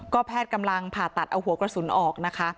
แพทย์กำลังผ่าตัดเอาหัวกระสุนออกนะคะ